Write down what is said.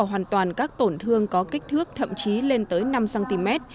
hoàn toàn các tổn thương có kích thước thậm chí lên tới năm cm